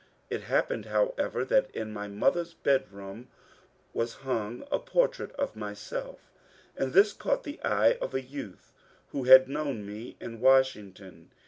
It happened, howc^ver, that in my mother's bedroom was hung a portrait of myself, and this caught the eye of a youth who had known me in Washington.